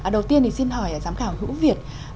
đầu tiên thì xin hỏi giám khảo hữu việt